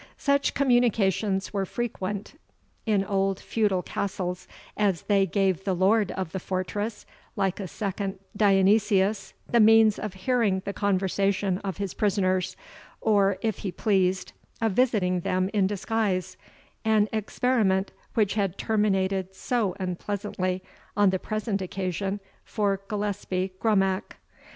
Such communications were frequent in old feudal castles, as they gave the lord of the fortress, like a second Dionysius, the means of hearing the conversation of his prisoners, or, if he pleased, of visiting them in disguise, an experiment which had terminated so unpleasantly on the present occasion for Gillespie Grumach.